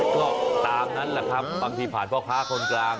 ก็ตามนั้นแหละครับบางทีผ่านพ่อค้าคนกลาง